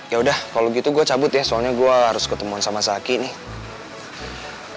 yaudah kalo gitu gue cabut ya soalnya gue harus ketemuan sama saki nih